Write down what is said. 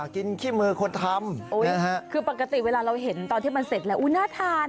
คือปกติเวลาเราเห็นตอนที่มันเสร็จแล้วหน้าทาน